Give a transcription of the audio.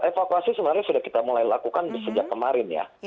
evakuasi sebenarnya sudah kita mulai lakukan sejak kemarin ya